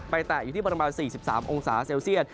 แตะอยู่ที่ประมาณ๔๓องศาเซลเซียต